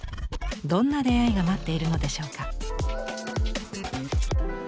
どんな出会いが待っているのでしょうか。